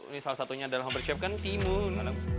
ini salah satunya adalah mempersiapkan timun